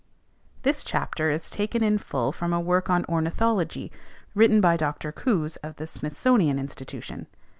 [This chapter is taken in full from a work on ornithology, written by Dr. Coues of the Smithsonian Institution.